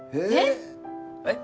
えっ！？